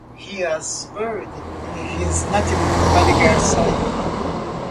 He was buried in his native Ballygar soil.